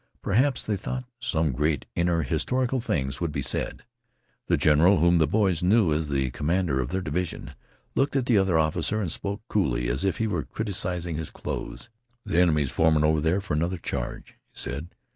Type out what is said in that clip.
Perhaps, they thought, some great inner historical things would be said. The general, whom the boys knew as the commander of their division, looked at the other officer and spoke coolly, as if he were criticising his clothes. "Th' enemy's formin' over there for another charge," he said.